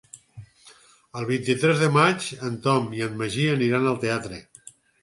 El vint-i-tres de maig en Tom i en Magí aniran al teatre.